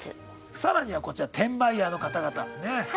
更にはこちら転売ヤーの方々ねえ。